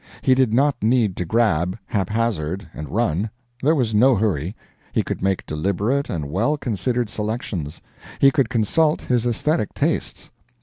He did not need to grab, haphazard, and run there was no hurry. He could make deliberate and well considered selections; he could consult his esthetic tastes.